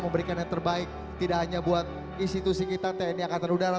memberikan yang terbaik tidak hanya buat institusi kita tni angkatan udara